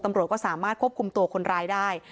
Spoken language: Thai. ตำรวจก็สามารถควบคุมตัวคนร้ายได้